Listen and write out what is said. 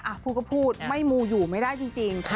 พูดก็พูดไม่มูอยู่ไม่ได้จริง